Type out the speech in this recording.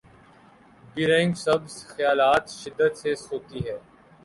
be رنگ سبز خیالات شدت سے سوتی ہیں